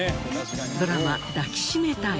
ドラマ『抱きしめたい！』。